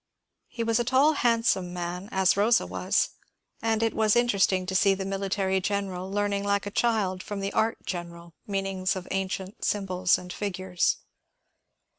He was a tall, hand some man as Rosa was, and it was interesting to see the mili tary general learning like a child from the art general mean ings of ancient symbols and figures.